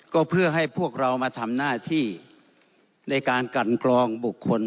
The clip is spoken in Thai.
ก็เพื่อให้พวกเรามาทำหน้าที่ในการกันกรองบุคคล